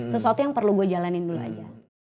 sesuatu yang perlu gue jalanin dulu aja